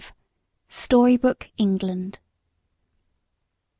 STORYBOOK ENGLAND.